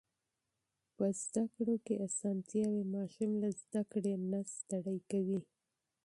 په تعلیم کې اسانتيا وي، ماشوم له زده کړې نه ستړی کوي.